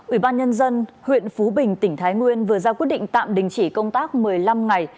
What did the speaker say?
ủy ban nhân dân huyện phú bình tỉnh thái nguyên vừa ra quyết định tạm đình chỉ công tác một mươi năm ngày